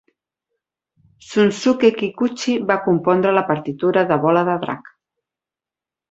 Shunsuke Kikuchi va compondre la partitura de "Bola de drac".